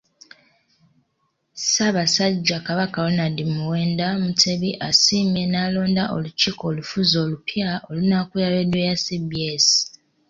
Ssabassajja Kabaka Ronald Muwenda Mutebi asiimye n'alonda olukiiko olufuzi olupya olunaakulira leediyo ya CBS.